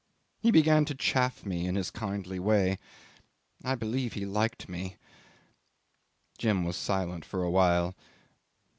He began to chaff me in his kindly way ... I believe he liked me ..." 'Jim was silent for a while.